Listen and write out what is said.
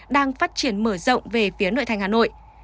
đang phát triển mở rộng về phía nội thành hà nội